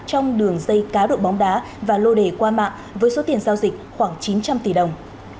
trong đường dây cá độ bóng đá và lô đề qua mạng với số tiền giao dịch khoảng chín trăm linh tỷ đồng